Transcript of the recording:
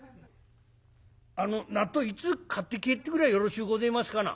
「あの納豆いつ買って帰ってくりゃよろしゅうごぜえますかな」。